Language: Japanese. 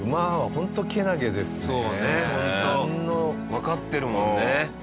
わかってるもんね。